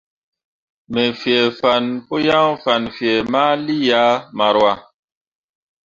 Me fee fan pǝ yaŋ fan fee ma lii ah maroua.